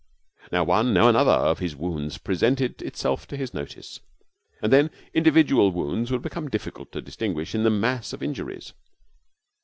Now one, now another, of his wounds presented itself to his notice. And then individual wounds would become difficult to distinguish in the mass of injuries.